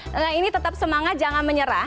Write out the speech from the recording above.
nah ini tetap semangat jangan menyerah